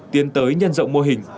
tiến tới nhân rộng mô hình